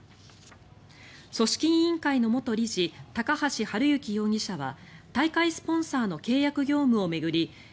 組織委員会の元理事高橋治之容疑者は大会スポンサーの契約業務を巡り